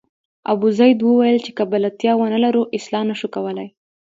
ابوزید وویل چې که بلدتیا ونه لرو اصلاح نه شو کولای.